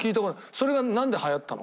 それがなんで流行ったの？